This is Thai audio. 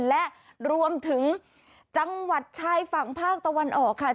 และรวมถึงจังหวัดชายฝั่งภาคตะวันออกค่ะ